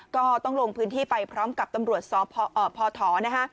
ก็ต้องลงพื้นที่ไปพร้อมกับตำรวจสพนะคะ